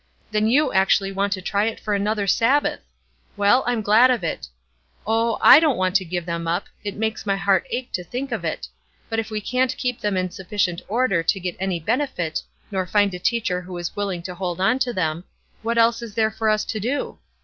Then you actually want to try it for another Sabbath! Well, I'm glad of it. Oh, I don't want to give them up; it makes my heart ache to think of it; but if we can't keep them in sufficient order to get any benefit, nor find a teacher who is willing to hold on to them, what else is there for us to do?